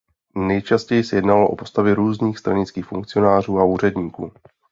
Nejčastěji se jednalo o postavy různých stranických funkcionářů a úředníků.